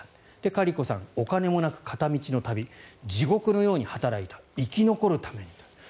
カリコさんお金もなく、片道の旅地獄のように働いた生き残るためにと。